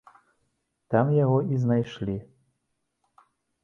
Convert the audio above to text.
Там яго і знайшлі.